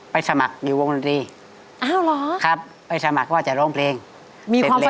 ไปสมัครอยู่วงดนตรีครับไปสมัครก็ว่าจะร้องเพลงเสร็จแล้วอ้าวเหรอ